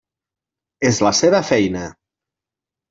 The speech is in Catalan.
És la seva feina.